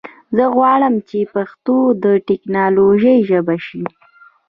زه غواړم چې پښتو د ټکنالوژي ژبه شي.